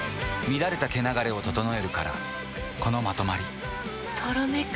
乱れた毛流れを整えるからこのまとまりとろめく。